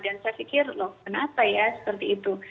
dan saya pikir loh kenapa ya seperti itu